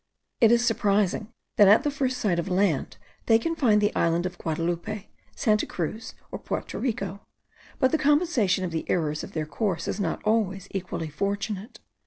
It is surprising, that at the first sight of land, they can find the island of Guadaloupe, Santa Cruz, or Porto Rico; but the compensation of the errors of their course is not always equally fortunate.